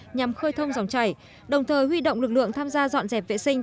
nhằm khơi thông dòng chảy đồng thời huy động lực lượng tham gia dọn dẹp vệ sinh